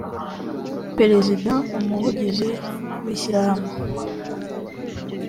perezida umuvugizi w ishyirahamwe